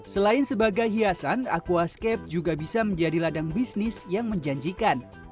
selain sebagai hiasan aquascape juga bisa menjadi ladang bisnis yang menjanjikan